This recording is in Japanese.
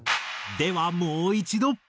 ではもう一度。